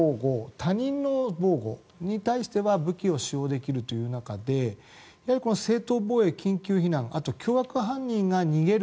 他人の防護に関しては武器を使用できるという中で正当防衛、緊急避難そして、凶悪犯人が逃げる